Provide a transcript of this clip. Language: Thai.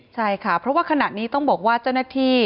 ใช่ค่ะเพราะว่าขณะนี้ต้องบอกว่าเจ้าหน้าที่